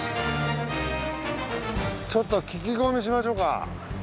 ちょっと聞き込みしましょうか。